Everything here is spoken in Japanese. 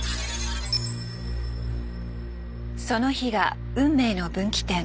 その日が運命の分岐点。